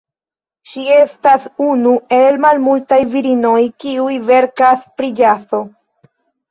Ŝi estas unu el malmultaj virinoj, kiuj verkas pri ĵazo.